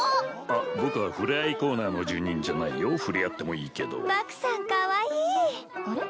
あっ僕はふれあいコーナーの住人じゃないよふれあってもいいけどバクさんかわいいあれ？